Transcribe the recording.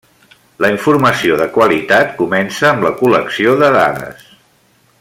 La informació de qualitat comença amb la col·lecció de dades.